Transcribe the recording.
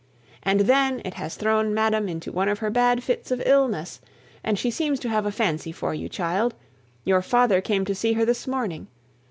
And then it has thrown madam into one of her bad fits of illness; and she seems to have a fancy for you, child! Your father came to see her this morning.